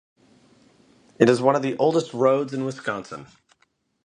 It is one of the oldest roads in Wisconsin.